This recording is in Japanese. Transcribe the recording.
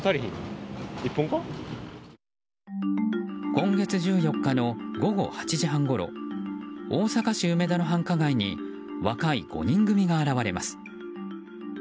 今月１４日の午後８時半ごろ大阪市梅田の繁華街に若い５人組が現れます。